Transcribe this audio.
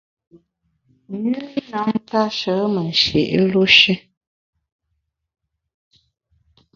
Nyü na ntashe menga lu shi.